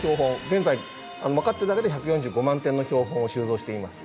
現在分かってるだけで１４５万点の標本を収蔵しています。